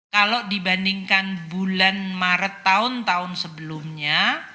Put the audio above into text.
kalau dibandingkan bulan maret tahun tahun sebelumnya